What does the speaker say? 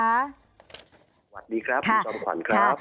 สวัสดีครับคุณจอมขวัญครับ